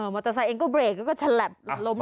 เตอร์ไซค์เองก็เบรกแล้วก็ฉลับล้ม